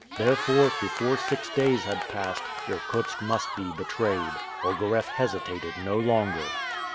Therefore, before six days had passed, Irkutsk must be betrayed. Ogareff hesitated no longer.